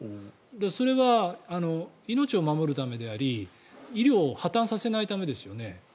それは命を守るためであり医療を破たんさせないためですよね。